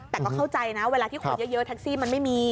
แต่ก็เข้าใจนะเวลาที่คนเยอะแท็กซี่มันไม่มี